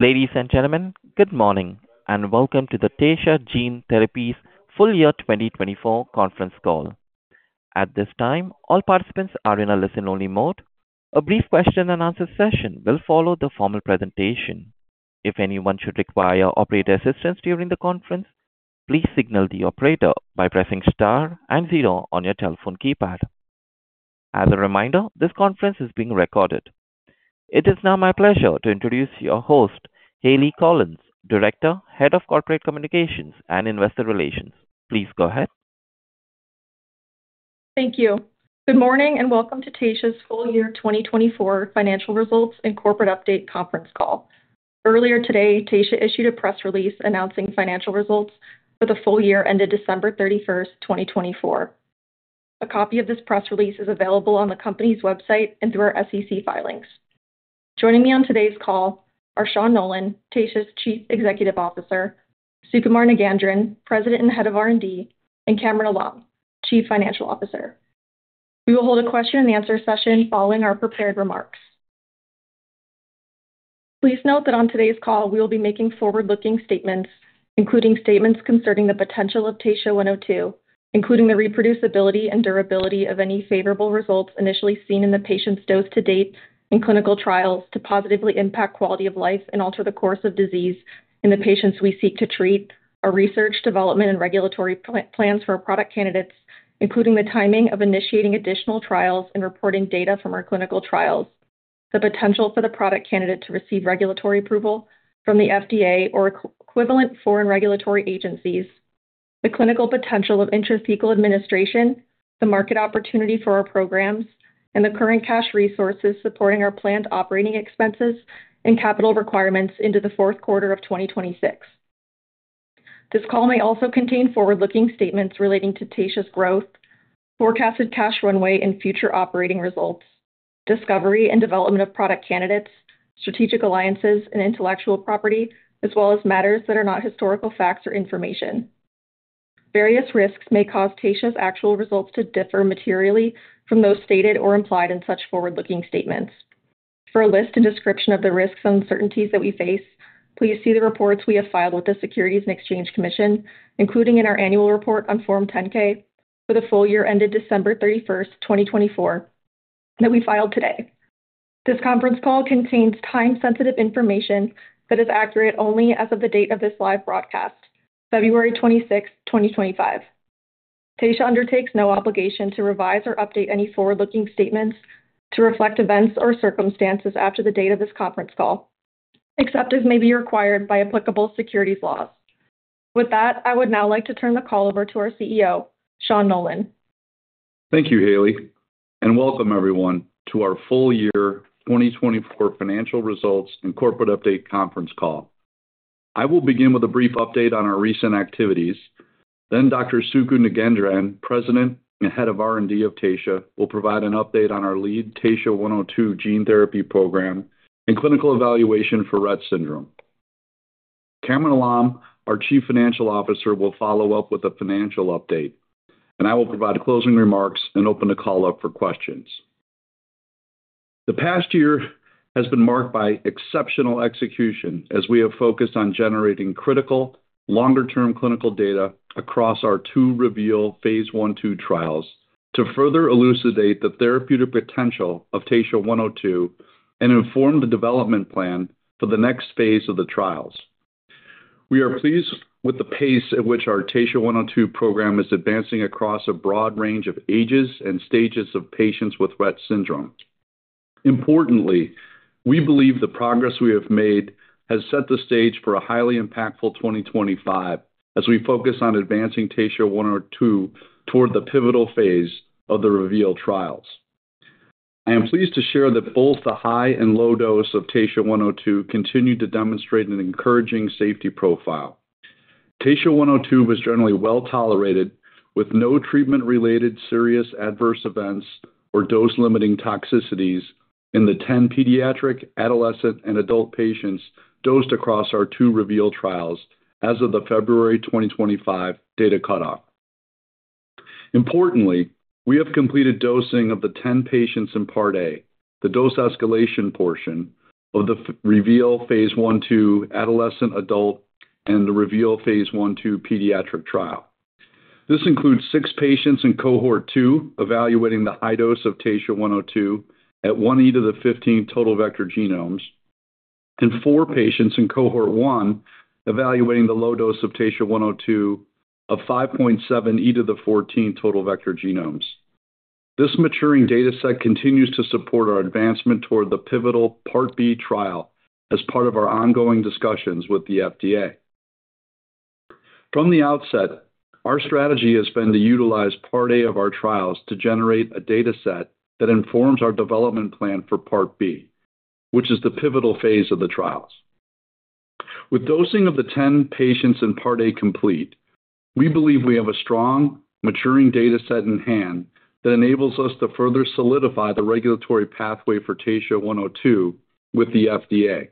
Ladies and gentlemen, good morning and welcome to the Taysha Gene Therapies FY 2024 Conference Call. At this time, all participants are in a listen-only mode. A brief question-and-answer session will follow the formal presentation. If anyone should require operator assistance during the conference, please signal the operator by pressing star and zero on your telephone keypad. As a reminder, this conference is being recorded. It is now my pleasure to introduce your host, Hayleigh Collins, Director, Head of Corporate Communications and Investor Relations. Please go ahead. Thank you. Good morning and welcome to Taysha's FY 2024 Financial Results and Corporate Update Conference Call. Earlier today, Taysha issued a press release announcing financial results, but the full year ended December 31, 2024. A copy of this press release is available on the company's website and through our SEC filings. Joining me on today's call are Sean Nolan, Taysha's Chief Executive Officer, Sukumar Nagendran, President and Head of R&D, and Kamran Alam, Chief Financial Officer. We will hold a question-and-answer session following our prepared remarks. Please note that on today's call, we will be making forward-looking statements, including statements concerning the potential of TSHA-102, including the reproducibility and durability of any favorable results initially seen in the patient's dose to date in clinical trials to positively impact quality of life and alter the course of disease in the patients we seek to treat, our research, development, and regulatory plans for our product candidates, including the timing of initiating additional trials and reporting data from our clinical trials, the potential for the product candidate to receive regulatory approval from the FDA or equivalent foreign regulatory agencies, the clinical potential of intrathecal administration, the market opportunity for our programs, and the current cash resources supporting our planned operating expenses and capital requirements into the fourth quarter of 2026. This call may also contain forward-looking statements relating to Taysha's growth, forecasted cash runway and future operating results, discovery and development of product candidates, strategic alliances, and intellectual property, as well as matters that are not historical facts or information. Various risks may cause Taysha's actual results to differ materially from those stated or implied in such forward-looking statements. For a list and description of the risks and uncertainties that we face, please see the reports we have filed with the Securities and Exchange Commission, including in our annual report on Form 10-K for the full year ended December 31, 2024, that we filed today. This conference call contains time-sensitive information that is accurate only as of the date of this live broadcast, February 26, 2025. Taysha undertakes no obligation to revise or update any forward-looking statements to reflect events or circumstances after the date of this conference call, except as may be required by applicable securities laws. With that, I would now like to turn the call over to our CEO, Sean Nolan. Thank you, Hayleigh. And welcome, everyone, to our FY 2024 Financial Results and Corporate Update Conference Call. I will begin with a brief update on our recent activities. Then Dr. Sukumar Nagendran, President and Head of R&D of Taysha will provide an update on our lead TSHA-102 gene therapy program and clinical evaluation for Rett syndrome. Kamran Alam, our Chief Financial Officer, will follow up with a financial update, and I will provide closing remarks and open the call up for questions. The past year has been marked by exceptional execution as we have focused on generating critical longer-term clinical data across our two Reveal Phase II trials to further elucidate the therapeutic potential of TSHA-102 and inform the development plan for the next phase of the trials. We are pleased with the pace at which our TSHA-102 program is advancing across a broad range of ages and stages of patients with Rett syndrome. Importantly, we believe the progress we have made has set the stage for a highly impactful 2025 as we focus on advancing TSHA-102 toward the pivotal phase of the Reveal trials. I am pleased to share that both the high and low dose of TSHA-102 continue to demonstrate an encouraging safety profile. TSHA-102 was generally well tolerated with no treatment-related serious adverse events or dose-limiting toxicities in the 10 pediatric, adolescent, and adult patients dosed across our two Reveal trials as of the February 2025 data cutoff. Importantly, we have completed dosing of the 10 patients in Part A, the dose escalation portion of the Reveal Phase II adolescent-adult and the Reveal Phase II pediatric trial. This includes six patients in Cohort 2 evaluating the high dose of TSHA-102 at 1E15 total vector genomes and four patients in Cohort 1 evaluating the low dose of TSHA-102 of 5.7E14 total vector genomes. This maturing dataset continues to support our advancement toward the pivotal Part B trial as part of our ongoing discussions with the FDA. From the outset, our strategy has been to utilize Part A of our trials to generate a dataset that informs our development plan for Part B, which is the pivotal phase of the trials. With dosing of the 10 patients in Part A complete, we believe we have a strong, maturing dataset in hand that enables us to further solidify the regulatory pathway for TSHA-102 with the FDA.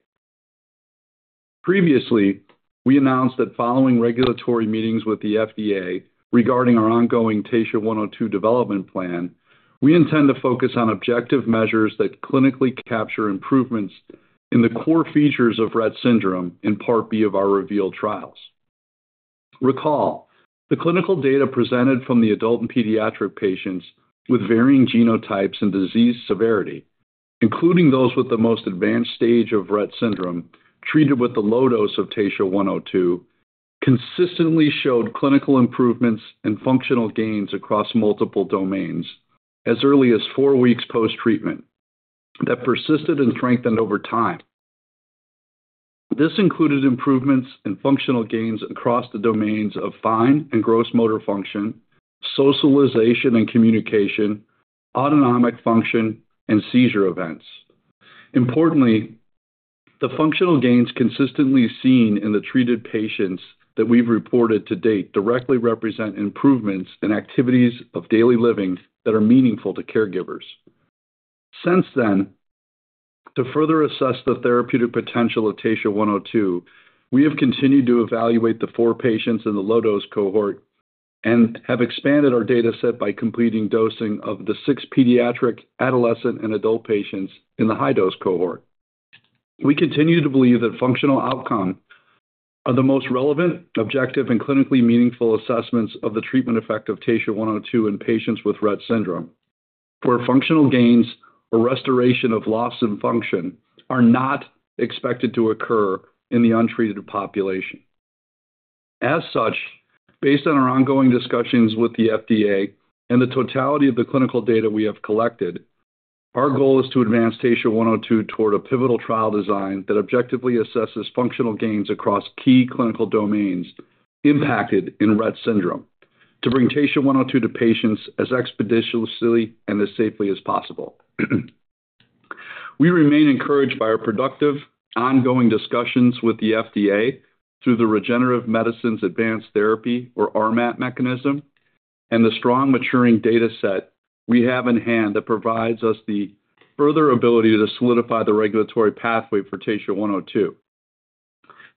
Previously, we announced that following regulatory meetings with the FDA regarding our ongoing TSHA-102 development plan, we intend to focus on objective measures that clinically capture improvements in the core features of Rett syndrome in Part B of our Reveal trials. Recall, the clinical data presented from the adult and pediatric patients with varying genotypes and disease severity, including those with the most advanced stage of Rett syndrome treated with the low dose of TSHA-102, consistently showed clinical improvements and functional gains across multiple domains as early as four weeks post-treatment that persisted and strengthened over time. This included improvements and functional gains across the domains of fine and gross motor function, socialization and communication, autonomic function, and seizure events. Importantly, the functional gains consistently seen in the treated patients that we've reported to date directly represent improvements in activities of daily living that are meaningful to caregivers. Since then, to further assess the therapeutic potential of TSHA-102, we have continued to evaluate the four patients in the low-dose cohort and have expanded our dataset by completing dosing of the six pediatric, adolescent, and adult patients in the high-dose cohort. We continue to believe that functional outcomes are the most relevant, objective, and clinically meaningful assessments of the treatment effect of TSHA-102 in patients with Rett syndrome, where functional gains or restoration of loss of function are not expected to occur in the untreated population. As such, based on our ongoing discussions with the FDA and the totality of the clinical data we have collected, our goal is to advance TSHA-102 toward a pivotal trial design that objectively assesses functional gains across key clinical domains impacted in Rett syndrome to bring TSHA-102 to patients as expeditiously and as safely as possible. We remain encouraged by our productive, ongoing discussions with the FDA through the Regenerative Medicine Advanced Therapy, or RMAT, mechanism and the strong maturing dataset we have in hand that provides us the further ability to solidify the regulatory pathway for TSHA-102.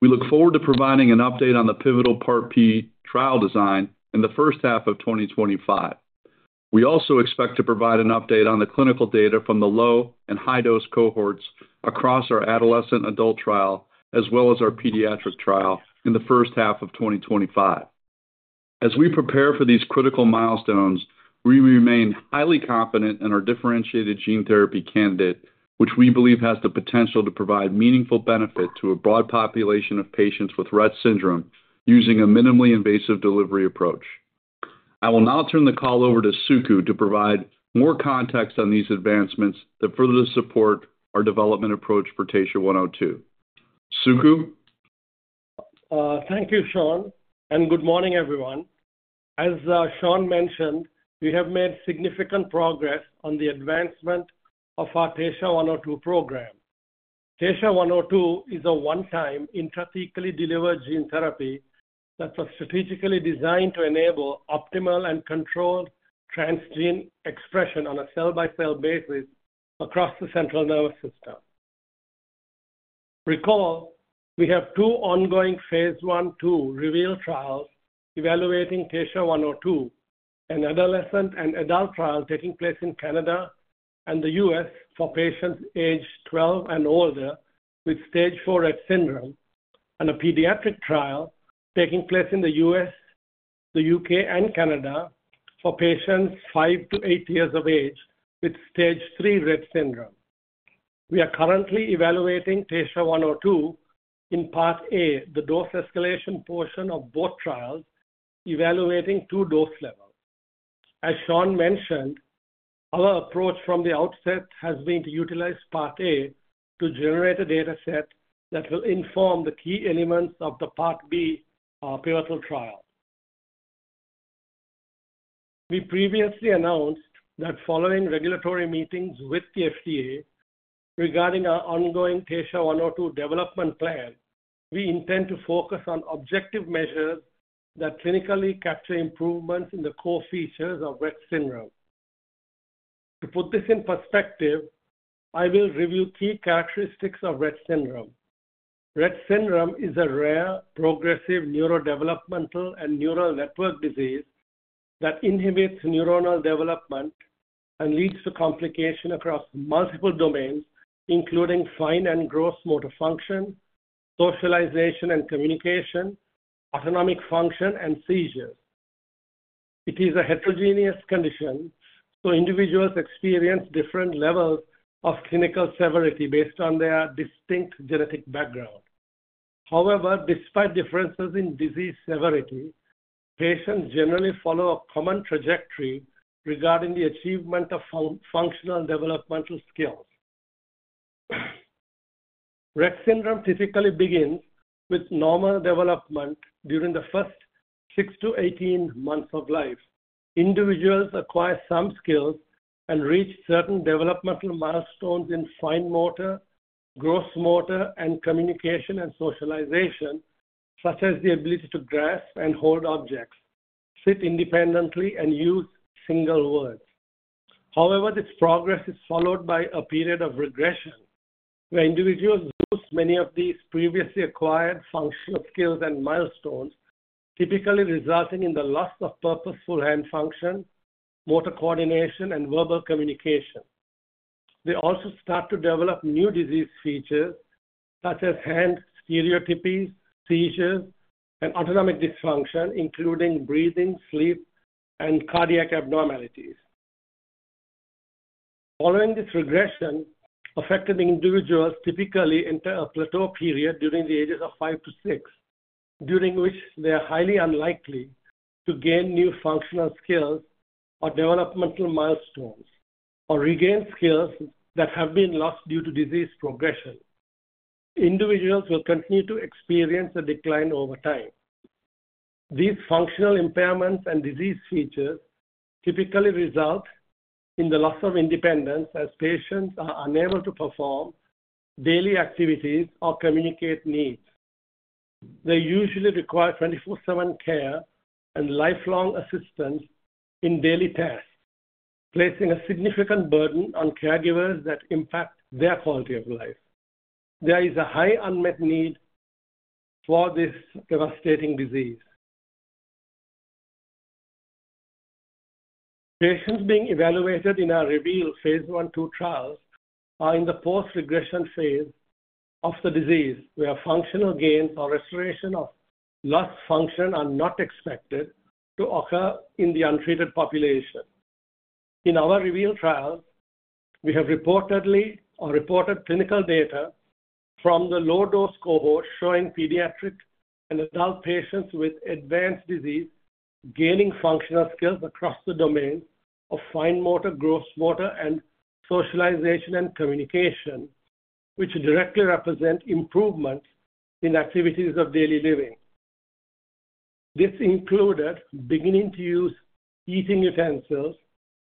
We look forward to providing an update on the pivotal Part B trial design in the first half of 2025. We also expect to provide an update on the clinical data from the low and high-dose cohorts across our adolescent-adult trial, as well as our pediatric trial in the first half of 2025. As we prepare for these critical milestones, we remain highly confident in our differentiated gene therapy candidate, which we believe has the potential to provide meaningful benefit to a broad population of patients with Rett syndrome using a minimally invasive delivery approach. I will now turn the over to Sukumar Nagendran to provide more context on these advancements that further support our development approach for TSHA-102. Sukumar? Thank you, Sean, and good morning, everyone. As Sean mentioned, we have made significant progress on the advancement of our TSHA-102 program. TSHA-102 is a one-time intrathecally delivered gene therapy that was strategically designed to enable optimal and controlled transgene expression on a cell-by-cell basis across the central nervous system. Recall, we have two ongoing phase II Reveal trials evaluating TSHA-102, an adolescent and adult trial taking place in Canada and the U.S. for patients aged 12 and older with stage IV Rett syndrome, and a pediatric trial taking place in the U.S., the U.K., and Canada for patients five to eight years of age with stage III Rett syndrome. We are currently evaluating TSHA-102 in Part A, the dose escalation portion of both trials, evaluating two dose levels. As Sean mentioned, our approach from the outset has been to utilize Part A to generate a dataset that will inform the key elements of the Part B pivotal trial. We previously announced that following regulatory meetings with the FDA regarding our ongoing TSHA-102 development plan, we intend to focus on objective measures that clinically capture improvements in the core features of Rett syndrome. To put this in perspective, I will review key characteristics of Rett syndrome. Rett syndrome is a rare progressive neurodevelopmental and neural network disease that inhibits neuronal development and leads to complication across multiple domains, including fine and gross motor function, socialization and communication, autonomic function, and seizures. It is a heterogeneous condition, so individuals experience different levels of clinical severity based on their distinct genetic background. However, despite differences in disease severity, patients generally follow a common trajectory regarding the achievement of functional developmental skills. Rett syndrome typically begins with normal development during the first six to 18 months of life. Individuals acquire some skills and reach certain developmental milestones in fine motor, gross motor, and communication and socialization, such as the ability to grasp and hold objects, sit independently, and use single words. However, this progress is followed by a period of regression where individuals lose many of these previously acquired functional skills and milestones, typically resulting in the loss of purposeful hand function, motor coordination, and verbal communication. They also start to develop new disease features such as hand stereotypies, seizures, and autonomic dysfunction, including breathing, sleep, and cardiac abnormalities. Following this regression, affected individuals typically enter a plateau period during the ages of five to six, during which they are highly unlikely to gain new functional skills or developmental milestones or regain skills that have been lost due to disease progression. Individuals will continue to experience a decline over time. These functional impairments and disease features typically result in the loss of independence as patients are unable to perform daily activities or communicate needs. They usually require 24/7 care and lifelong assistance in daily tasks, placing a significant burden on caregivers that impact their quality of life. There is a high unmet need for this devastating disease. Patients being evaluated in our Reveal Phase II trials are in the post-regression phase of the disease where functional gains or restoration of lost function are not expected to occur in the untreated population. In our Reveal trials, we have reportedly or reported clinical data from the low-dose cohort showing pediatric and adult patients with advanced disease gaining functional skills across the domains of fine motor, gross motor, and socialization and communication, which directly represent improvements in activities of daily living. This included beginning to use eating utensils,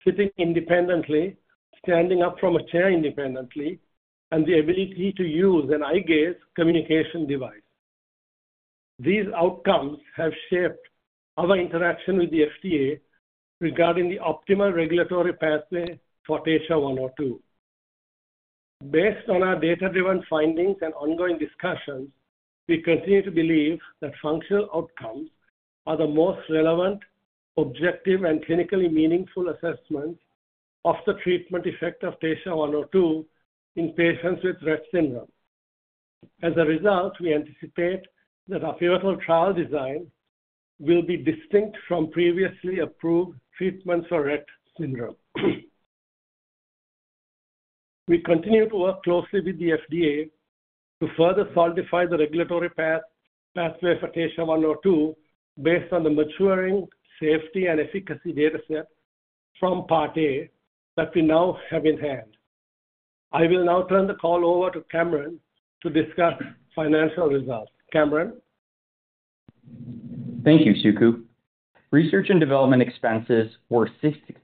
sitting independently, standing up from a chair independently, and the ability to use an eye gaze communication device. These outcomes have shaped our interaction with the FDA regarding the optimal regulatory pathway for TSHA-102. Based on our data-driven findings and ongoing discussions, we continue to believe that functional outcomes are the most relevant, objective, and clinically meaningful assessments of the treatment effect of TSHA-102 in patients with Rett syndrome. As a result, we anticipate that our pivotal trial design will be distinct from previously approved treatments for Rett syndrome. We continue to work closely with the FDA to further solidify the regulatory pathway for TSHA-102 based on the maturing safety and efficacy dataset from Part A that we now have in hand. I will now turn the call over to Kamran to discuss financial results. Kamran? Thank you, Sukumar. Research and development expenses were $66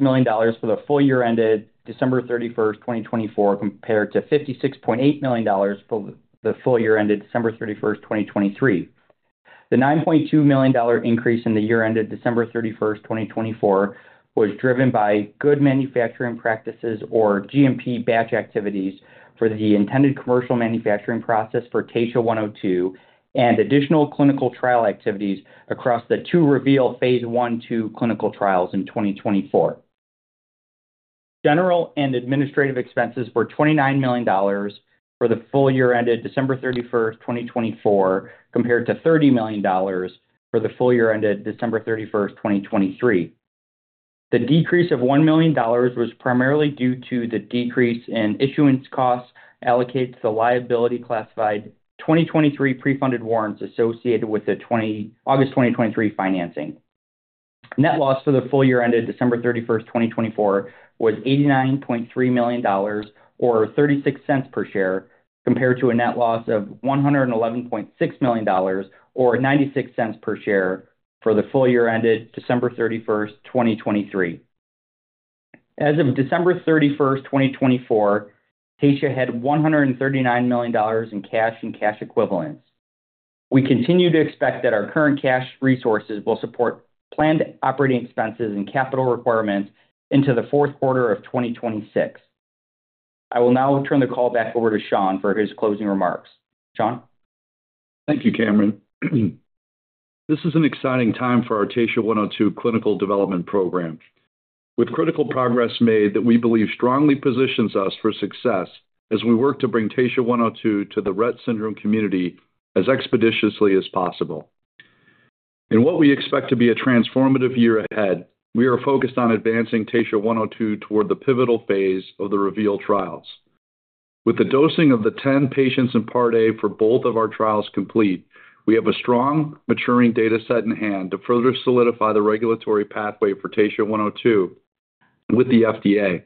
million for the full year ended December 31, 2024, compared to $56.8 million for the full year ended December 31, 2023. The $9.2 million increase in the year ended December 31, 2024, was driven by Good Manufacturing Practices, or GMP batch activities, for the intended commercial manufacturing process for TSHA-102 and additional clinical trial activities across the two Reveal Phase II clinical trials in 2024. General and administrative expenses were $29 million for the full year ended December 31, 2024, compared to $30 million for the full year ended December 31, 2023. The decrease of $1 million was primarily due to the decrease in issuance costs allocated to the liability classified 2023 pre-funded warrants associated with the August 2023 financing. Net loss for the full year ended December 31, 2024, was $89.3 million, or $0.36 per share, compared to a net loss of $111.6 million, or $0.96 per share for the full year ended December 31, 2023. As of December 31, 2024, Taysha had $139 million in cash and cash equivalents. We continue to expect that our current cash resources will support planned operating expenses and capital requirements into the fourth quarter of 2026. I will now turn the call back over to Sean for his closing remarks. Sean? Thank you, Kamran. This is an exciting time for our TSHA-102 clinical development program, with critical progress made that we believe strongly positions us for success as we work to bring TSHA-102 to the Rett syndrome community as expeditiously as possible. In what we expect to be a transformative year ahead, we are focused on advancing TSHA-102 toward the pivotal phase of the Reveal trials. With the dosing of the 10 patients in Part A for both of our trials complete, we have a strong, maturing dataset in hand to further solidify the regulatory pathway for TSHA-102 with the FDA.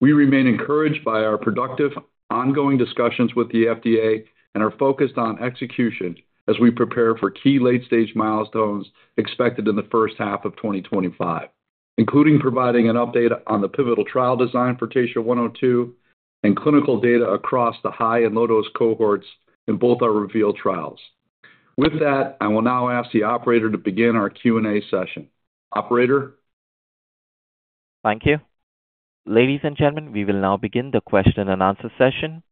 We remain encouraged by our productive, ongoing discussions with the FDA and are focused on execution as we prepare for key late-stage milestones expected in the first half of 2025, including providing an update on the pivotal trial design for TSHA-102 and clinical data across the high and low-dose cohorts in both our Reveal trials. With that, I will now ask the operator to begin our Q&A session. Operator? Thank you. Ladies and gentlemen, we will now begin the question and answer session.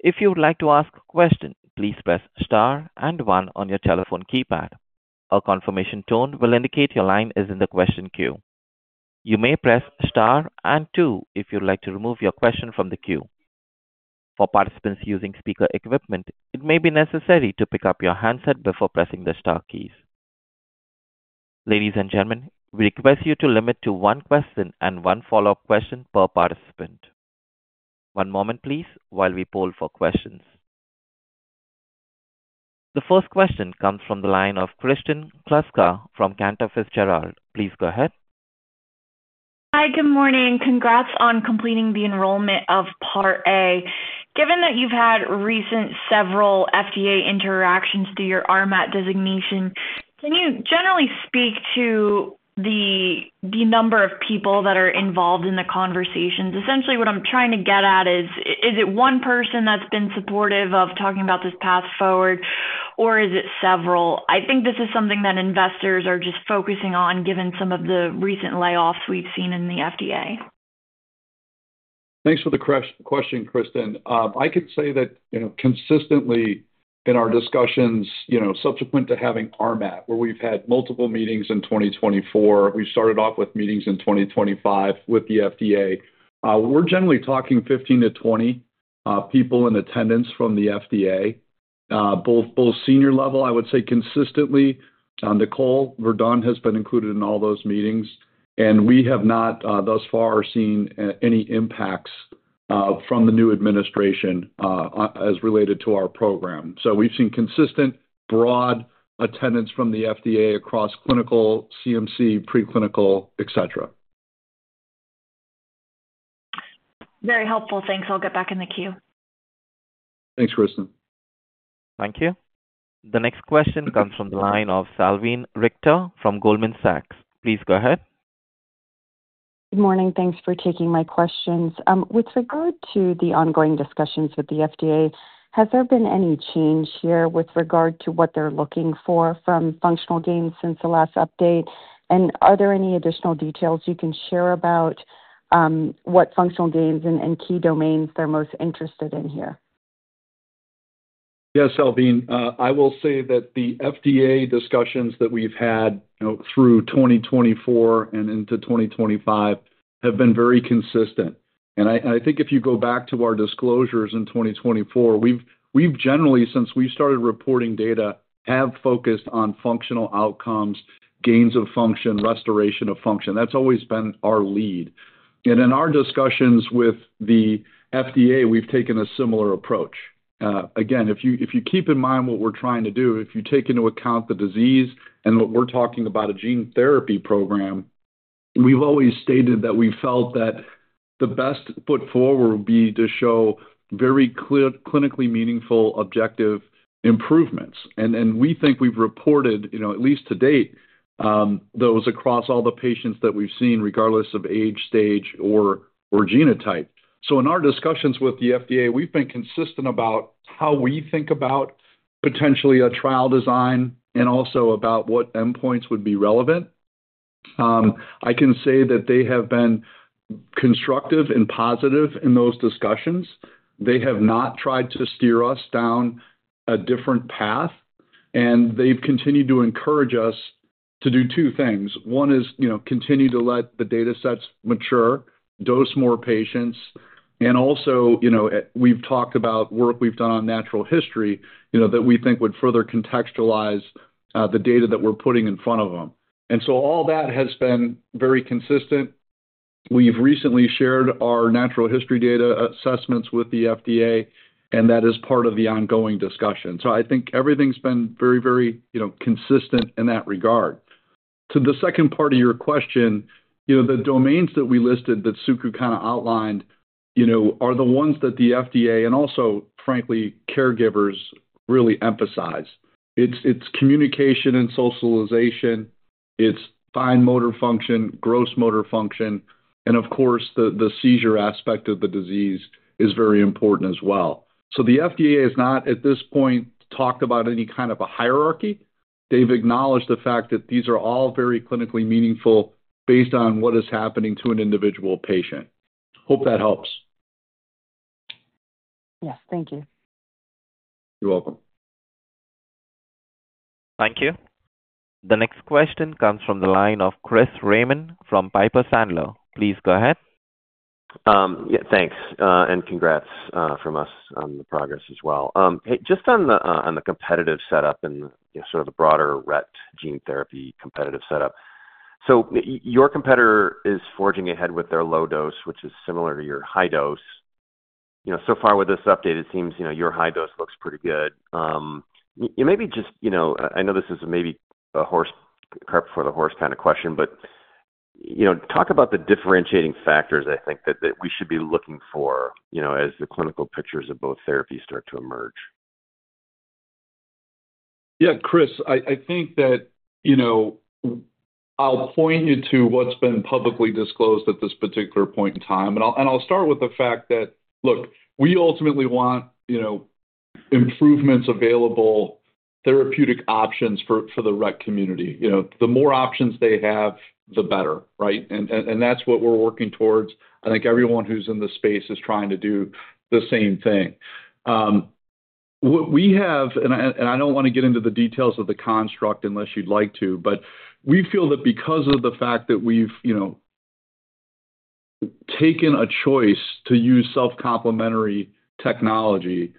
If you would like to ask a question, please press star and one on your telephone keypad. A confirmation tone will indicate your line is in the question queue. You may press star and two if you'd like to remove your question from the queue. For participants using speaker equipment, it may be necessary to pick up your handset before pressing the star keys. Ladies and gentlemen, we request you to limit to one question and one follow-up question per participant. One moment, please, while we poll for questions. The first question comes from the line of Kristen Kluska from Cantor Fitzgerald. Please go ahead. Hi, good morning. Congrats on completing the enrollment of Part A. Given that you've had recent several FDA interactions through your RMAT designation, can you generally speak to the number of people that are involved in the conversations? Essentially, what I'm trying to get at is, is it one person that's been supportive of talking about this path forward, or is it several? I think this is something that investors are just focusing on given some of the recent layoffs we've seen in the FDA. Thanks for the question, Kristen. I can say that consistently in our discussions subsequent to having RMAT, where we've had multiple meetings in 2024, we started off with meetings in 2025 with the FDA. We're generally talking 15-20 people in attendance from the FDA, both senior level, I would say, consistently. Nicole Verdun has been included in all those meetings, and we have not thus far seen any impacts from the new administration as related to our program, so we've seen consistent broad attendance from the FDA across clinical, CMC, preclinical, etc. Very helpful. Thanks. I'll get back in the queue. Thanks, Kristin. Thank you. The next question comes from the line of Salveen Richter from Goldman Sachs. Please go ahead. Good morning. Thanks for taking my questions. With regard to the ongoing discussions with the FDA, has there been any change here with regard to what they're looking for from functional gains since the last update? And are there any additional details you can share about what functional gains and key domains they're most interested in here? Yes, Salveen. I will say that the FDA discussions that we've had through 2024 and into 2025 have been very consistent. And I think if you go back to our disclosures in 2024, we've generally, since we've started reporting data, have focused on functional outcomes, gains of function, restoration of function. That's always been our lead. And in our discussions with the FDA, we've taken a similar approach. Again, if you keep in mind what we're trying to do, if you take into account the disease and what we're talking about, a gene therapy program, we've always stated that we felt that the best foot forward would be to show very clinically meaningful objective improvements. And we think we've reported, at least to date, those across all the patients that we've seen, regardless of age, stage, or genotype. So in our discussions with the FDA, we've been consistent about how we think about potentially a trial design and also about what endpoints would be relevant. I can say that they have been constructive and positive in those discussions. They have not tried to steer us down a different path, and they've continued to encourage us to do two things. One is continue to let the datasets mature, dose more patients. And also, we've talked about work we've done on natural history that we think would further contextualize the data that we're putting in front of them. And so all that has been very consistent. We've recently shared our natural history data assessments with the FDA, and that is part of the ongoing discussion. So I think everything's been very, very consistent in that regard. To the second part of your question, the domains that we listed that Sukumar kind of outlined are the ones that the FDA and also, frankly, caregivers really emphasize. It's communication and socialization. It's fine motor function, gross motor function, and of course, the seizure aspect of the disease is very important as well. So the FDA has not, at this point, talked about any kind of a hierarchy. They've acknowledged the fact that these are all very clinically meaningful based on what is happening to an individual patient. Hope that helps. Yes, thank you. You're welcome. Thank you. The next question comes from the line of Chris Raymond from Piper Sandler. Please go ahead. Yeah, thanks, and congrats from us on the progress as well. Just on the competitive setup and sort of the broader Rett gene therapy competitive setup, so your competitor is forging ahead with their low dose, which is similar to your high dose. So far with this update, it seems your high dose looks pretty good. Maybe just I know this is maybe a horse of a different color kind of question, but talk about the differentiating factors, I think, that we should be looking for as the clinical pictures of both therapies start to emerge. Yeah, Chris, I think that I'll point you to what's been publicly disclosed at this particular point in time. And I'll start with the fact that, look, we ultimately want improvements available, therapeutic options for the Rett community. The more options they have, the better, right? And that's what we're working towards. I think everyone who's in the space is trying to do the same thing. What we have, and I don't want to get into the details of the construct unless you'd like to, but we feel that because of the fact that we've taken a choice to use self-complementary technology,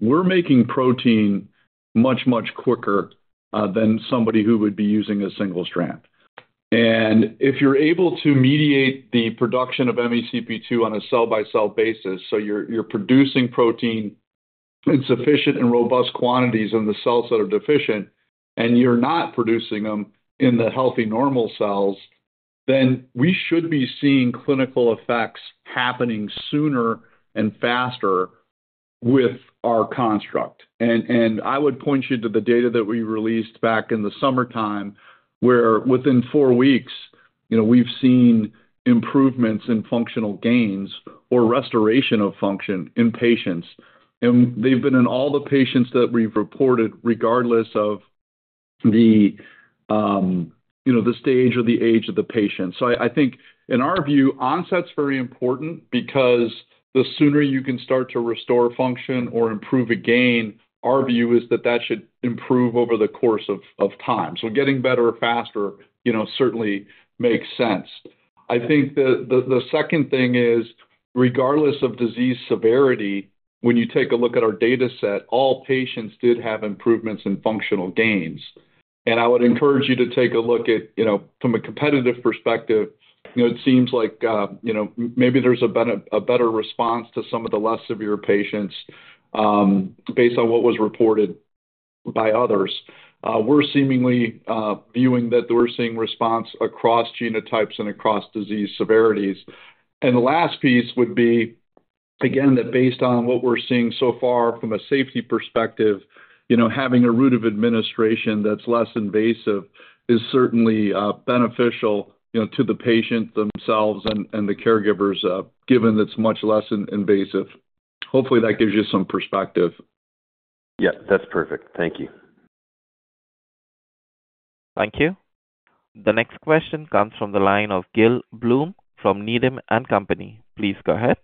we're making protein much, much quicker than somebody who would be using a single strand. If you're able to mediate the production of MECP2 on a cell-by-cell basis, so you're producing protein in sufficient and robust quantities in the cells that are deficient, and you're not producing them in the healthy normal cells, then we should be seeing clinical effects happening sooner and faster with our construct. I would point you to the data that we released back in the summertime where, within four weeks, we've seen improvements in functional gains or restoration of function in patients. They've been in all the patients that we've reported, regardless of the stage or the age of the patient. I think, in our view, onset's very important because the sooner you can start to restore function or improve a gain, our view is that that should improve over the course of time. Getting better or faster certainly makes sense. I think the second thing is, regardless of disease severity, when you take a look at our dataset, all patients did have improvements in functional gains. And I would encourage you to take a look at, from a competitive perspective, it seems like maybe there's a better response to some of the less severe patients based on what was reported by others. We're seemingly viewing that we're seeing response across genotypes and across disease severities. And the last piece would be, again, that based on what we're seeing so far from a safety perspective, having a route of administration that's less invasive is certainly beneficial to the patients themselves and the caregivers, given that it's much less invasive. Hopefully, that gives you some perspective. Yeah, that's perfect. Thank you. Thank you. The next question comes from the line of Gil Blum from Needham & Company. Please go ahead.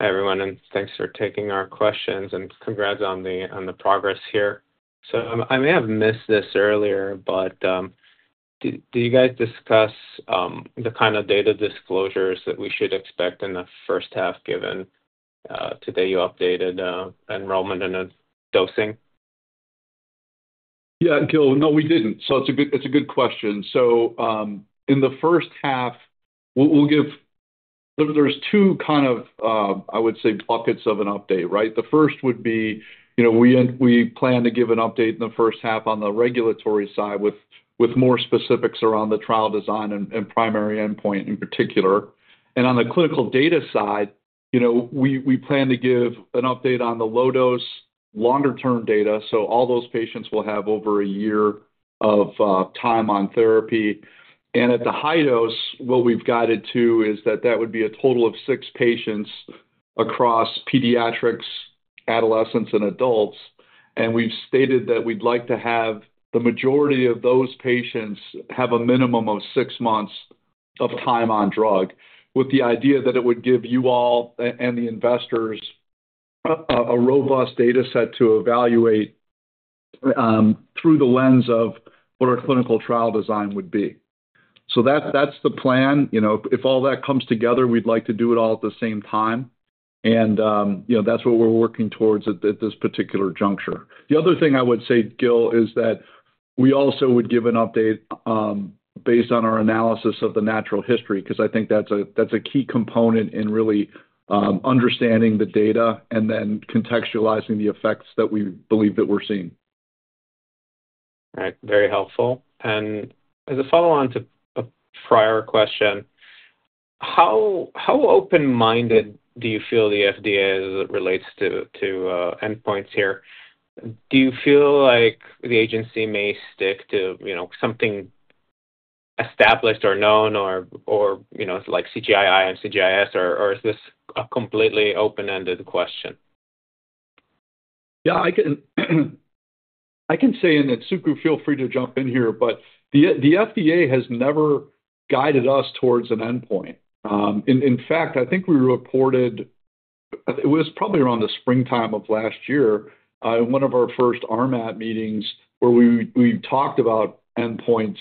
Hi, everyone. And thanks for taking our questions. And congrats on the progress here. So I may have missed this earlier, but did you guys discuss the kind of data disclosures that we should expect in the first half given today you updated enrollment and dosing? Yeah, Gil, no, we didn't. So it's a good question. So in the first half, there's two kind of, I would say, buckets of an update, right? The first would be we plan to give an update in the first half on the regulatory side with more specifics around the trial design and primary endpoint in particular. And on the clinical data side, we plan to give an update on the low-dose longer-term data. So all those patients will have over a year of time on therapy. And at the high dose, what we've guided to is that that would be a total of six patients across pediatrics, adolescents, and adults. And we've stated that we'd like to have the majority of those patients have a minimum of six months of time on drug with the idea that it would give you all and the investors a robust dataset to evaluate through the lens of what our clinical trial design would be. So that's the plan. If all that comes together, we'd like to do it all at the same time. And that's what we're working towards at this particular juncture. The other thing I would say, Gil, is that we also would give an update based on our analysis of the natural history because I think that's a key component in really understanding the data and then contextualizing the effects that we believe that we're seeing. All right. Very helpful. And as a follow-on to a prior question, how open-minded do you feel the FDA is as it relates to endpoints here? Do you feel like the agency may stick to something established or known or like CGI-I and CGI-S, or is this a completely open-ended question? Yeah, I can say, and then Sukumar, feel free to jump in here, but the FDA has never guided us towards an endpoint. In fact, I think we reported it was probably around the springtime of last year in one of our first RMAT meetings where we talked about endpoints.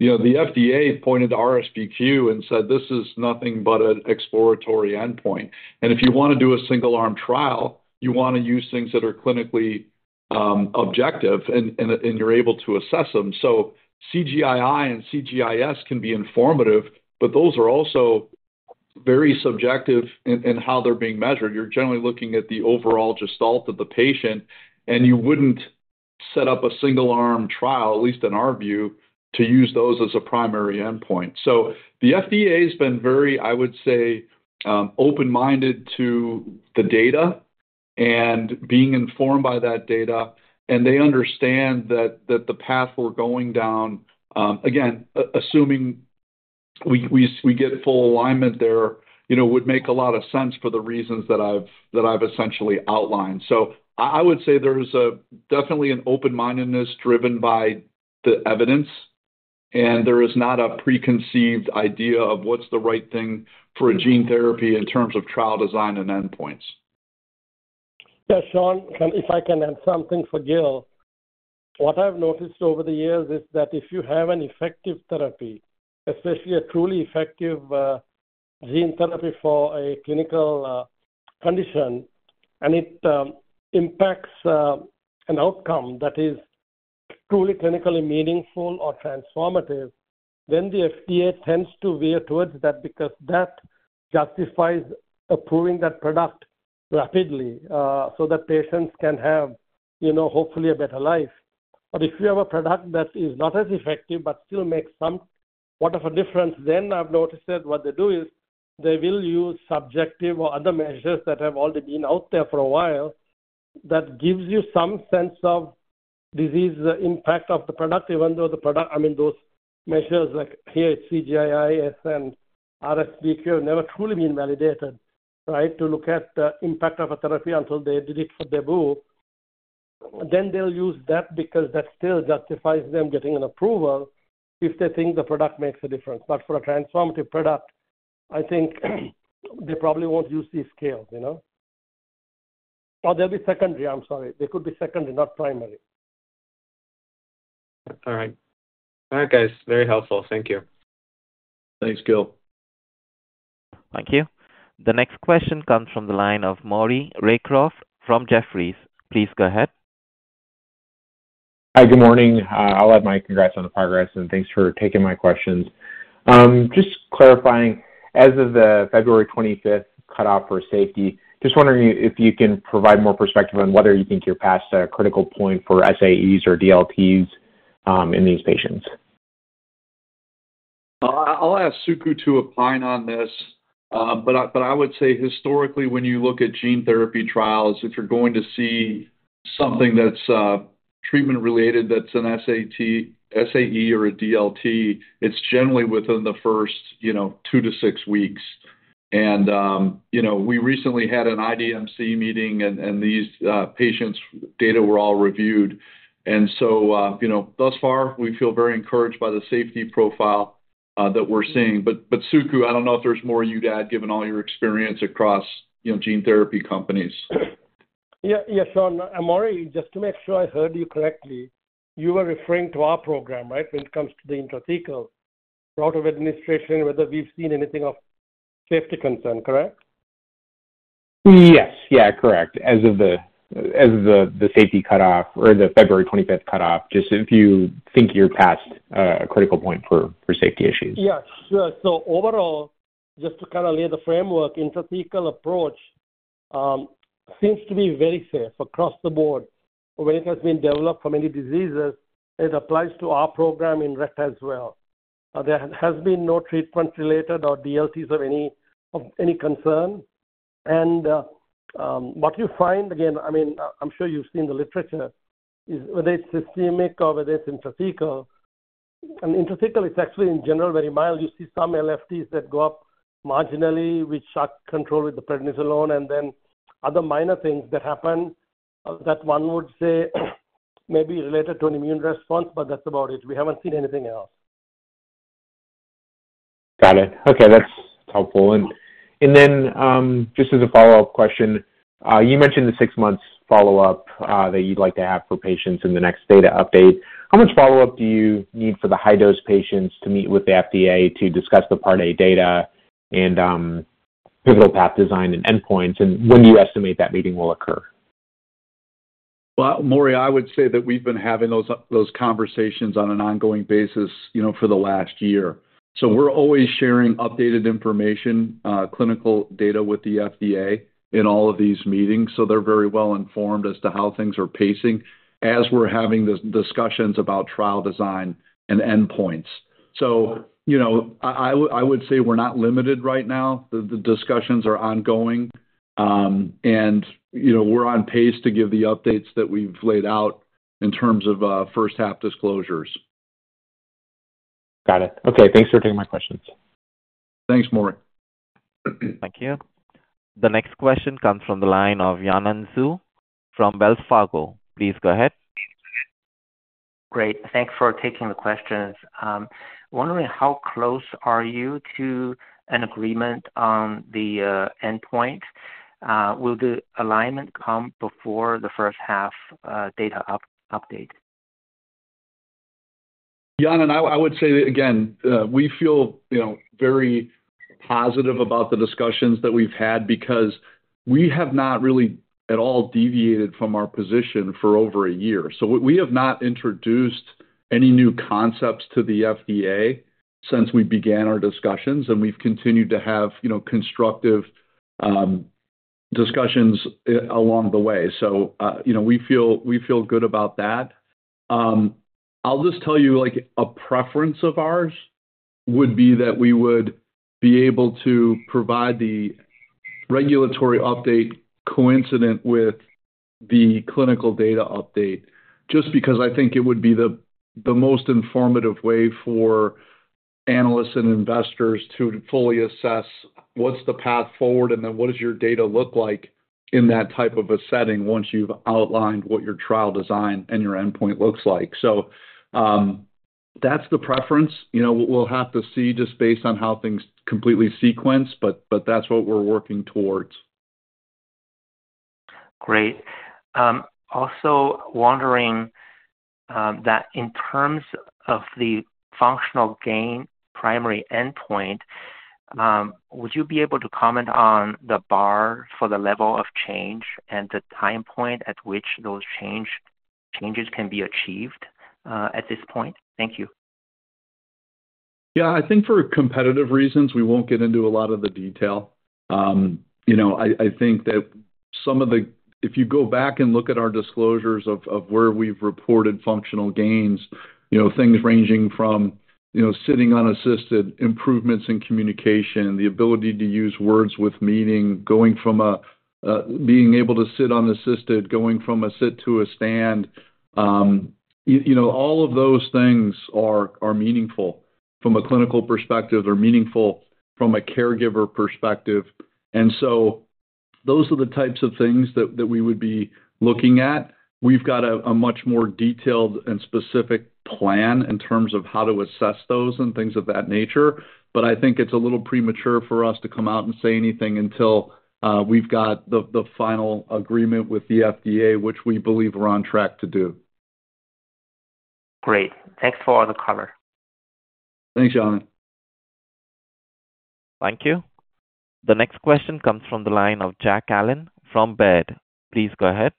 The FDA pointed to RSBQ and said, "This is nothing but an exploratory endpoint." And if you want to do a single-arm trial, you want to use things that are clinically objective, and you're able to assess them. So CGI-I and CGI-S can be informative, but those are also very subjective in how they're being measured. You're generally looking at the overall gestalt of the patient, and you wouldn't set up a single-arm trial, at least in our view, to use those as a primary endpoint. So the FDA has been very, I would say, open-minded to the data and being informed by that data. And they understand that the path we're going down, again, assuming we get full alignment there, would make a lot of sense for the reasons that I've essentially outlined. So I would say there's definitely an open-mindedness driven by the evidence, and there is not a preconceived idea of what's the right thing for a gene therapy in terms of trial design and endpoints. Yeah, Sean, if I can add something for Gil, what I've noticed over the years is that if you have an effective therapy, especially a truly effective gene therapy for a clinical condition, and it impacts an outcome that is truly clinically meaningful or transformative, then the FDA tends to veer towards that because that justifies approving that product rapidly so that patients can have hopefully a better life. But if you have a product that is not as effective but still makes some whatever difference, then I've noticed that what they do is they will use subjective or other measures that have already been out there for a while that gives you some sense of disease impact of the product, even though the product I mean, those measures like here, CGI-I and RSBQ have never truly been validated, right, to look at the impact of a therapy until they did it for Bluebird. Then they'll use that because that still justifies them getting an approval if they think the product makes a difference. But for a transformative product, I think they probably won't use these scales. Or they'll be secondary. I'm sorry. They could be secondary, not primary. All right. All right, guys. Very helpful. Thank you. Thanks, Gil. Thank you. The next question comes from the line of Maury Raycroft from Jefferies. Please go ahead. Hi, good morning. I'll add my congrats on the progress, and thanks for taking my questions. Just clarifying, as of the February 25th cutoff for safety, just wondering if you can provide more perspective on whether you think you're past a critical point for SAEs or DLTs in these patients. I'll ask Sukumar to opine on this. But I would say, historically, when you look at gene therapy trials, if you're going to see something that's treatment-related that's an SAE or a DLT, it's generally within the first two to six weeks. And we recently had an IDMC meeting, and these patients' data were all reviewed. And so thus far, we feel very encouraged by the safety profile that we're seeing. But Sukumar, I don't know if there's more you'd add given all your experience across gene therapy companies. Yeah, Sean, Maury, just to make sure I heard you correctly, you were referring to our program, right, when it comes to the intrathecal route of administration, whether we've seen anything of safety concern, correct? Yes. Yeah, correct. As of the safety cutoff or the February 25th cutoff, just if you think you're past a critical point for safety issues. Yeah, sure. So overall, just to kind of lay the framework, intrathecal approach seems to be very safe across the board when it has been developed for many diseases. It applies to our program in Rett as well. There has been no treatment-related DLTs of any concern. And what you find, again, I mean, I'm sure you've seen the literature, whether it's systemic or whether it's intrathecal. And intrathecal, it's actually, in general, very mild. You see some LFTs that go up marginally, which are controlled with the prednisolone, and then other minor things that happen that one would say may be related to an immune response, but that's about it. We haven't seen anything else. Got it. Okay. That's helpful. And then just as a follow-up question, you mentioned the six-month follow-up that you'd like to have for patients in the next data update. How much follow-up do you need for the high-dose patients to meet with the FDA to discuss the Part A data and pivotal path design and endpoints? And when do you estimate that meeting will occur? Maury, I would say that we've been having those conversations on an ongoing basis for the last year. So we're always sharing updated information, clinical data with the FDA in all of these meetings. So they're very well informed as to how things are pacing as we're having the discussions about trial design and endpoints. So I would say we're not limited right now. The discussions are ongoing, and we're on pace to give the updates that we've laid out in terms of first-half disclosures. Got it. Okay. Thanks for taking my questions. Thanks, Maury. Thank you. The next question comes from the line of Yanan Zhu from Wells Fargo. Please go ahead. Great. Thanks for taking the questions. Wondering how close are you to an agreement on the endpoint? Will the alignment come before the first-half data update? Yanan, I would say, again, we feel very positive about the discussions that we've had because we have not really at all deviated from our position for over a year. So we have not introduced any new concepts to the FDA since we began our discussions, and we've continued to have constructive discussions along the way. So we feel good about that. I'll just tell you a preference of ours would be that we would be able to provide the regulatory update coincident with the clinical data update just because I think it would be the most informative way for analysts and investors to fully assess what's the path forward and then what does your data look like in that type of a setting once you've outlined what your trial design and your endpoint looks like. So that's the preference. We'll have to see just based on how things completely sequence, but that's what we're working towards. Great. Also, wondering that in terms of the functional gain primary endpoint, would you be able to comment on the bar for the level of change and the time point at which those changes can be achieved at this point? Thank you. Yeah. I think for competitive reasons, we won't get into a lot of the detail. I think that some of the, if you go back and look at our disclosures of where we've reported functional gains, things ranging from sitting unassisted, improvements in communication, the ability to use words with meaning, going from a being able to sit unassisted, going from a sit to a stand, all of those things are meaningful from a clinical perspective. They're meaningful from a caregiver perspective. And so those are the types of things that we would be looking at. We've got a much more detailed and specific plan in terms of how to assess those and things of that nature. But I think it's a little premature for us to come out and say anything until we've got the final agreement with the FDA, which we believe we're on track to do. Great. Thanks for all the color. Thanks, Yanan. Thank you. The next question comes from the line of Jack Allen from Baird. Please go ahead.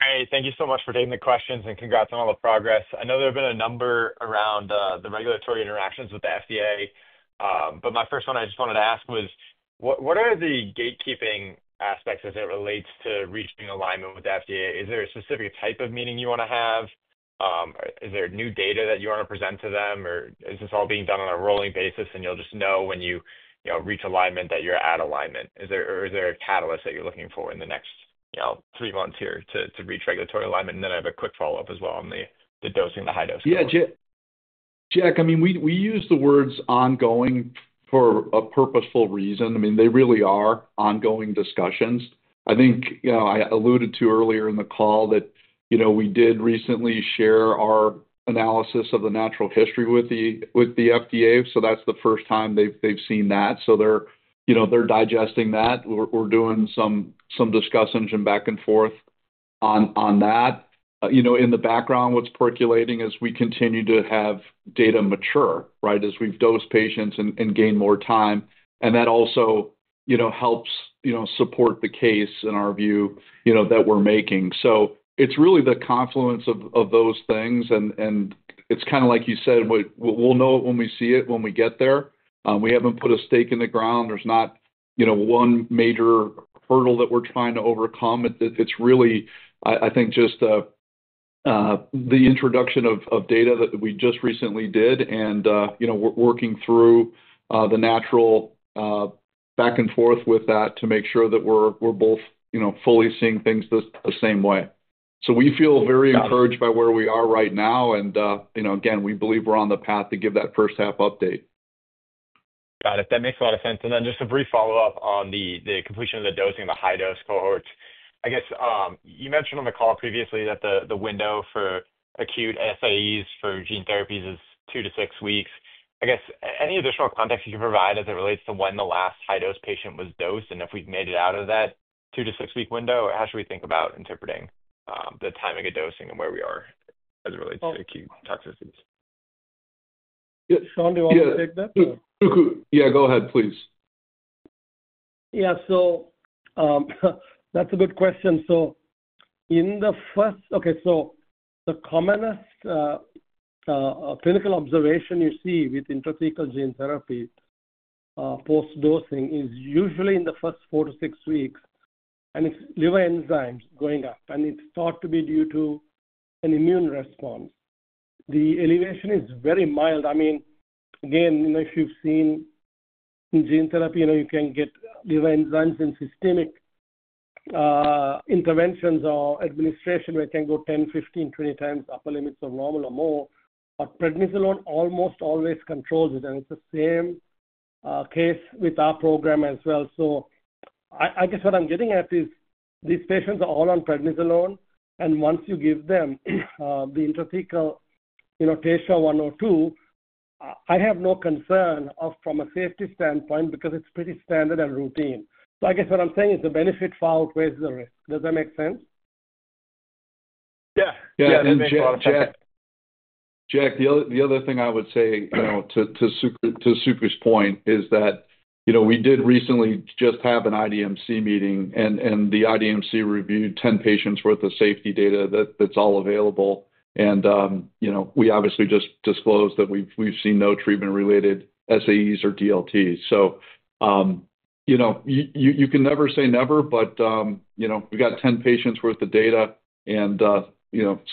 Hey, thank you so much for taking the questions and congrats on all the progress. I know there have been a number around the regulatory interactions with the FDA, but my first one I just wanted to ask was, what are the gatekeeping aspects as it relates to reaching alignment with the FDA? Is there a specific type of meeting you want to have? Is there new data that you want to present to them? Or is this all being done on a rolling basis, and you'll just know when you reach alignment that you're at alignment? Or is there a catalyst that you're looking for in the next three months here to reach regulatory alignment? And then I have a quick follow-up as well on the dosing and the high-dose goals. Yeah, Jack, I mean, we use the words ongoing for a purposeful reason. I mean, they really are ongoing discussions. I think I alluded to earlier in the call that we did recently share our analysis of the natural history with the FDA. So that's the first time they've seen that. So they're digesting that. We're doing some discussions and back and forth on that. In the background, what's percolating is we continue to have data mature, right, as we've dosed patients and gained more time. And that also helps support the case in our view that we're making. So it's really the confluence of those things. And it's kind of like you said, we'll know it when we see it when we get there. We haven't put a stake in the ground. There's not one major hurdle that we're trying to overcome. It's really, I think, just the introduction of data that we just recently did and working through the natural back and forth with that to make sure that we're both fully seeing things the same way. So we feel very encouraged by where we are right now. And again, we believe we're on the path to give that first-half update. Got it. That makes a lot of sense. And then just a brief follow-up on the completion of the dosing of the high-dose cohorts. I guess you mentioned on the call previously that the window for acute SAEs for gene therapies is two-to-six weeks. I guess any additional context you can provide as it relates to when the last high-dose patient was dosed and if we've made it out of that two-to-six-week window? How should we think about interpreting the timing of dosing and where we are as it relates to acute toxicities? Sean, do you want to take that? Yeah. Suku, yeah, go ahead, please. Yeah. So that's a good question. So in the first, so the commonest clinical observation you see with intrathecal gene therapy post-dosing is usually in the first four to six weeks. And it's liver enzymes going up. And it's thought to be due to an immune response. The elevation is very mild. I mean, again, if you've seen gene therapy, you can get liver enzymes and systemic interventions or administration where it can go 10, 15, 20 times upper limits of normal or more. But prednisolone almost always controls it. And it's the same case with our program as well. So I guess what I'm getting at is these patients are all on prednisolone. And once you give them the intrathecal TSHA-102, I have no concern from a safety standpoint because it's pretty standard and routine. So I guess what I'm saying is the benefit far outweighs the risk. Does that make sense? Yeah. Yeah. Jack. Jack, the other thing I would say to Sukumar's point is that we did recently just have an IDMC meeting, and the IDMC reviewed 10 patients' worth of safety data that's all available, and we obviously just disclosed that we've seen no treatment-related SAEs or DLTs, so you can never say never, but we've got 10 patients' worth of data, and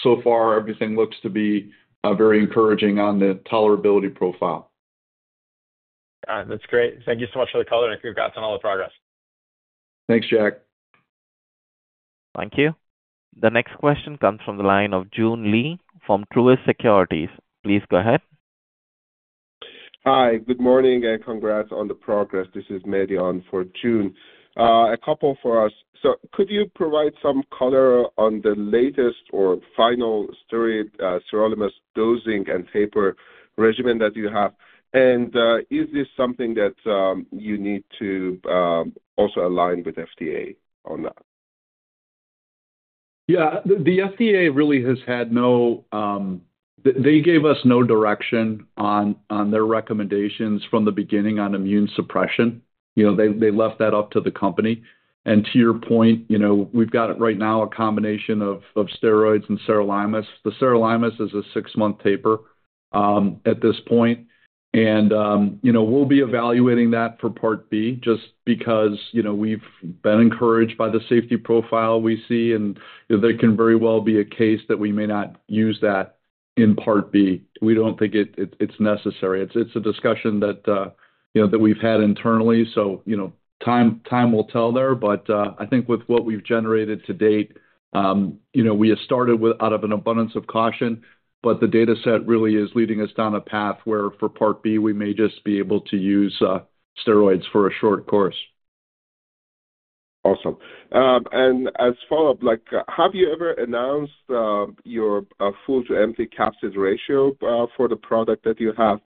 so far, everything looks to be very encouraging on the tolerability profile. That's great. Thank you so much for the call, and congrats on all the progress. Thanks, Jack. Thank you. The next question comes from the line of Joon Lee from Truist Securities. Please go ahead. Hi. Good morning. And congrats on the progress. This is Mehdi for Joon. A couple for us. So could you provide some color on the latest or final steroid surrounding this dosing and taper regimen that you have? And is this something that you need to also align with FDA on that? Yeah. The FDA really has had no; they gave us no direction on their recommendations from the beginning on immune suppression. They left that up to the company. And to your point, we've got right now a combination of steroids and sirolimus. The sirolimus is a six-month taper at this point. And we'll be evaluating that for Part B just because we've been encouraged by the safety profile we see. And there can very well be a case that we may not use that in Part B. We don't think it's necessary. It's a discussion that we've had internally. So time will tell there. But I think with what we've generated to date, we have started out of an abundance of caution, but the dataset really is leading us down a path where for Part B, we may just be able to use steroids for a short course. Awesome. And as follow-up, have you ever announced your full-to-empty capsid ratio for the product that you have?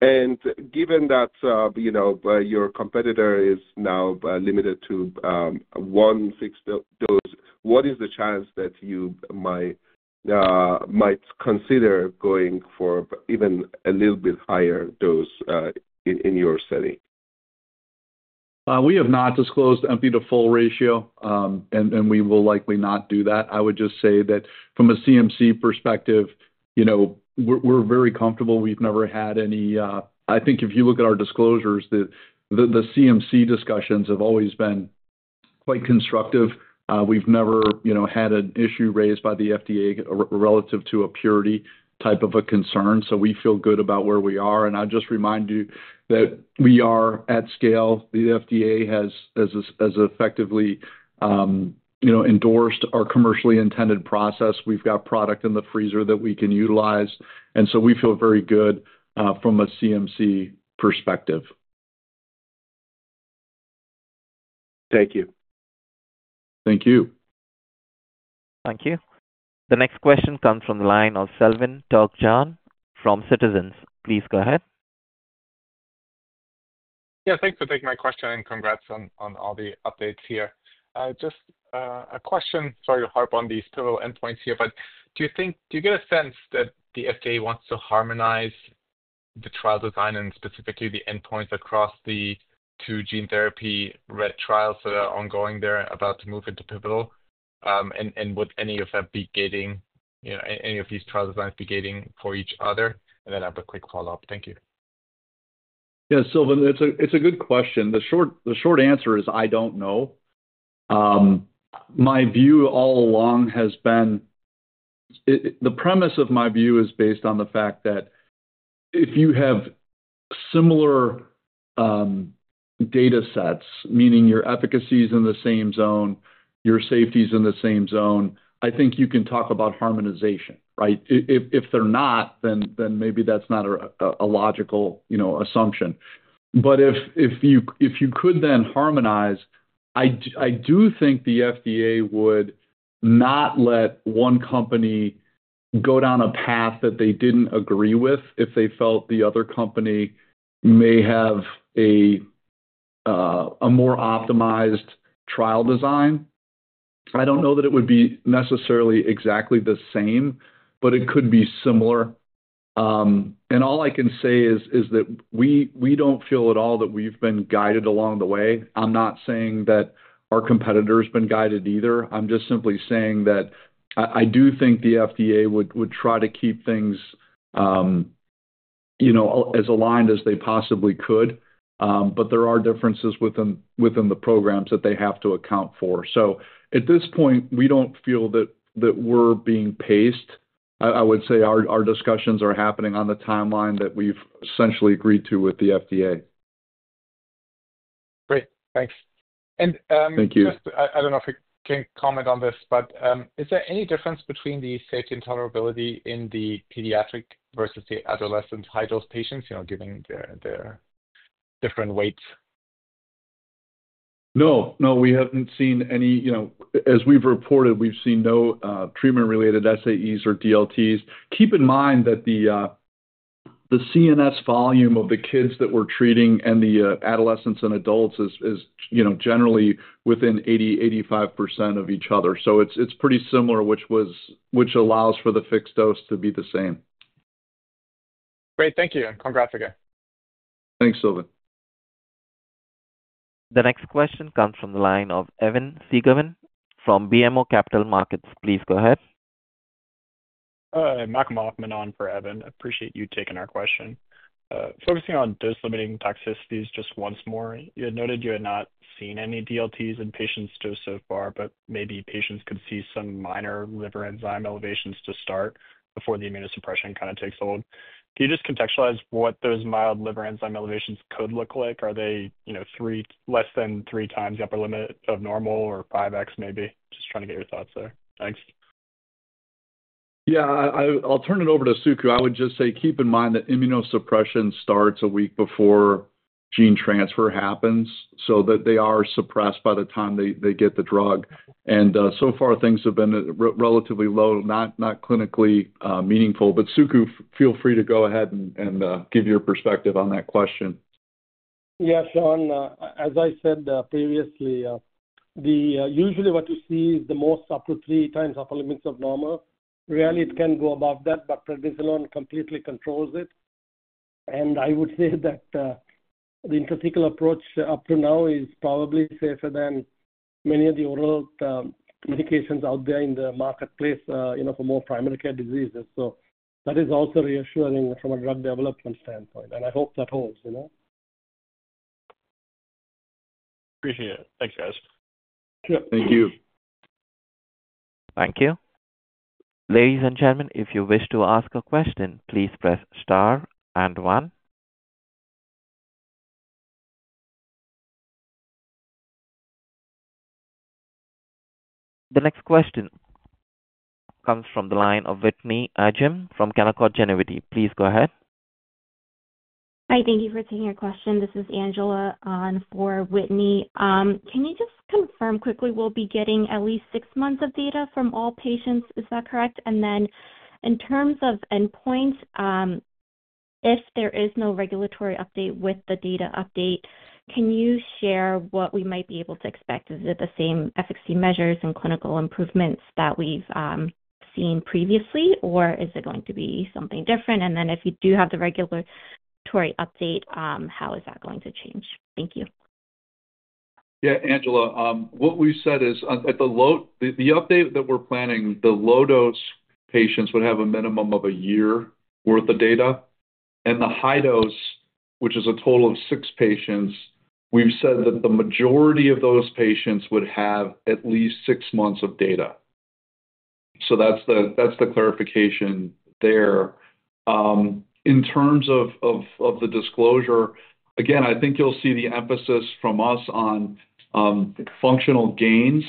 And given that your competitor is now limited to one fixed dose, what is the chance that you might consider going for even a little bit higher dose in your setting? We have not disclosed empty-to-full ratio, and we will likely not do that. I would just say that from a CMC perspective, we're very comfortable. We've never had any. I think if you look at our disclosures, the CMC discussions have always been quite constructive. We've never had an issue raised by the FDA relative to a purity type of a concern. So we feel good about where we are. And I'll just remind you that we are at scale. The FDA has effectively endorsed our commercially intended process. We've got product in the freezer that we can utilize. And so we feel very good from a CMC perspective. Thank you. Thank you. Thank you. The next question comes from the line of Silvan Türkcan from Citizens. Please go ahead. Yeah. Thanks for taking my question and congrats on all the updates here. Just a question, sorry to harp on these pivotal endpoints here, but do you get a sense that the FDA wants to harmonize the trial design and specifically the endpoints across the two gene therapy Rett trials that are ongoing, they're about to move into pivotal? And would any of them be gating any of these trial designs for each other? And then I have a quick follow-up. Thank you. Yeah. Silvan, it's a good question. The short answer is I don't know. My view all along has been the premise of my view is based on the fact that if you have similar datasets, meaning your efficacies in the same zone, your safeties in the same zone, I think you can talk about harmonization, right? If they're not, then maybe that's not a logical assumption. But if you could then harmonize, I do think the FDA would not let one company go down a path that they didn't agree with if they felt the other company may have a more optimized trial design. I don't know that it would be necessarily exactly the same, but it could be similar. And all I can say is that we don't feel at all that we've been guided along the way. I'm not saying that our competitor has been guided either. I'm just simply saying that I do think the FDA would try to keep things as aligned as they possibly could. But there are differences within the programs that they have to account for. So at this point, we don't feel that we're being paced. I would say our discussions are happening on the timeline that we've essentially agreed to with the FDA. Great. Thanks. Thank you. I don't know if I can comment on this, but is there any difference between the safety and tolerability in the pediatric versus the adolescent high-dose patients given their different weights? No. No, we haven't seen any as we've reported, we've seen no treatment-related SAEs or DLTs. Keep in mind that the CNS volume of the kids that we're treating and the adolescents and adults is generally within 80%-85% of each other. So it's pretty similar, which allows for the fixed dose to be the same. Great. Thank you. Congrats again. Thanks, Silvan. The next question comes from the line of Evan Seigerman from BMO Capital Markets. Please go ahead. Hi. Malcolm Hoffman on for Evan. Appreciate you taking our question. Focusing on dose-limiting toxicities just once more. You had noted you had not seen any DLTs in patients dosed so far, but maybe patients could see some minor liver enzyme elevations to start before the immunosuppression kind of takes hold. Can you just contextualize what those mild liver enzyme elevations could look like? Are they less than three times the upper limit of normal or 5x maybe? Just trying to get your thoughts there. Thanks. Yeah. I'll turn it over to Suku. I would just say keep in mind that immunosuppression starts a week before gene transfer happens. So they are suppressed by the time they get the drug. And so far, things have been relatively low, not clinically meaningful. But Suku, feel free to go ahead and give your perspective on that question. Yeah. As I said previously, usually what you see is the most up to three times upper limits of normal. Rarely, it can go above that, but prednisolone completely controls it. And I would say that the intrathecal approach up to now is probably safer than many of the oral medications out there in the marketplace for more primary care diseases. So that is also reassuring from a drug development standpoint. And I hope that holds. Appreciate it. Thanks, guys. Thank you. Thank you. Ladies and gentlemen, if you wish to ask a question, please press star and one. The next question comes from the line of Whitney Ijem from Canaccord Genuity. Please go ahead. Hi. Thank you for taking our question. This is Angela on for Whitney. Can you just confirm quickly we'll be getting at least six months of data from all patients? Is that correct? And then in terms of endpoints, if there is no regulatory update with the data update, can you share what we might be able to expect? Is it the same efficacy measures and clinical improvements that we've seen previously, or is it going to be something different? And then if you do have the regulatory update, how is that going to change? Thank you. Yeah. Angela, what we said is at the update that we're planning, the low-dose patients would have a minimum of a year's worth of data, and the high-dose, which is a total of six patients, we've said that the majority of those patients would have at least six months of data, so that's the clarification there. In terms of the disclosure, again, I think you'll see the emphasis from us on functional gains.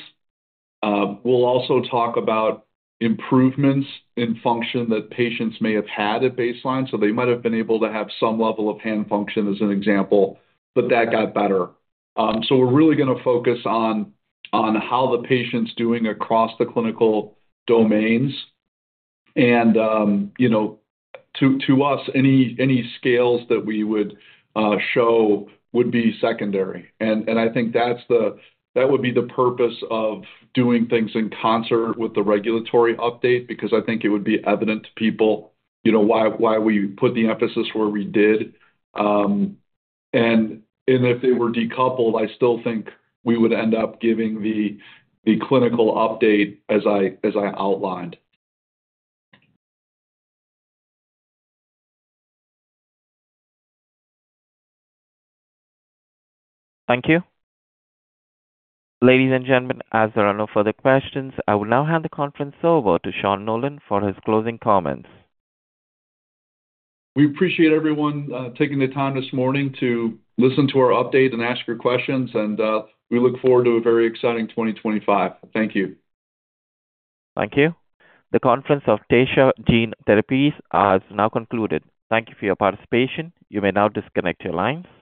We'll also talk about improvements in function that patients may have had at baseline, so they might have been able to have some level of hand function as an example, but that got better, so we're really going to focus on how the patient's doing across the clinical domains, and to us, any scales that we would show would be secondary. And I think that would be the purpose of doing things in concert with the regulatory update because I think it would be evident to people why we put the emphasis where we did. And if they were decoupled, I still think we would end up giving the clinical update as I outlined. Thank you. Ladies and gentlemen, as there are no further questions, I will now hand the conference over to Sean Nolan for his closing comments. We appreciate everyone taking the time this morning to listen to our update and ask your questions, and we look forward to a very exciting 2025. Thank you. Thank you. The conference of Taysha Gene Therapies has now concluded. Thank you for your participation. You may now disconnect your lines.